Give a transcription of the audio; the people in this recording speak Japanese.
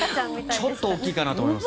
ちょっと大きいかなと思います。